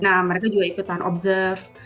nah mereka juga ikutan observe